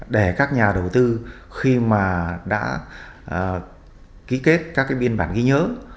để các nhà đầu tư khi mà đã ký kết các biên bản ghi nhớ